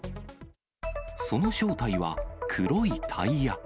その正体は、黒いタイヤ。